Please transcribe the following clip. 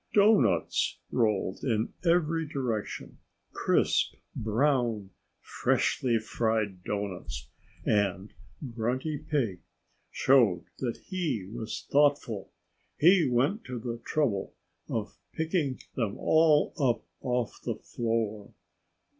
Doughnuts rolled in every direction crisp, brown, freshly fried doughnuts. And Grunty Pig showed that he was thoughtful. He went to the trouble of picking them all up off the floor.